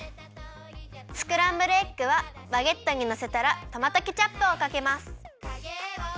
スクランブルエッグはバゲットにのせたらトマトケチャップをかけます。